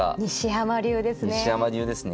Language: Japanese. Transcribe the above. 西山流ですね。